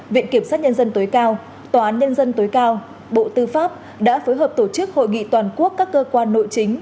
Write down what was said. viện kiểm sát nhân dân tối cao tòa án nhân dân tối cao bộ tư pháp đã phối hợp tổ chức hội nghị toàn quốc các cơ quan nội chính